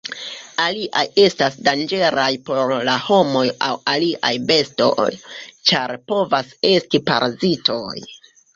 Aliaj estas danĝeraj por la homoj aŭ aliaj bestoj, ĉar povas esti parazitoj.